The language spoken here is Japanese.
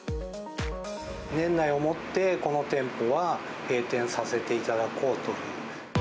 年内を持って、この店舗は閉店させていただこうという。